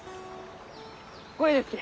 これですき！